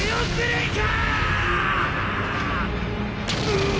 うわ‼